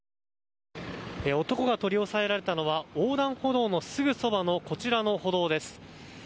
男が取り押さえられたのは横断歩道のすぐそばのこちらの歩道です。